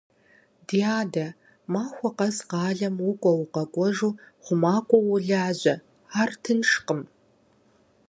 Ди адэ, махуэ къэс къалэм укӀуэ-укъэкӀуэжу хъумакӀуэу уолажьэ, ар тыншкъым.